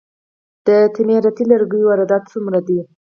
د تعمیراتي لرګیو واردات څومره دي؟